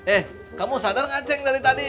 eh kamu sadar nggak ceng dari tadi